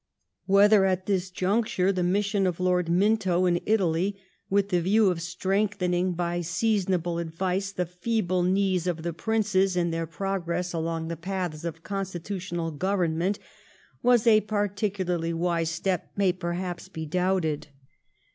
Whether at this juncture the mission of Lord Minto to Italy with the view of strengthening by seasonable advice the feeble knees of the princes in their progress along the paths of constitutional govemment/was a particularly wise step may perhaps be doubted.